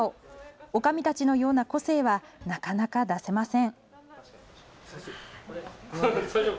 おかみたちのような個性はなかなか出せません。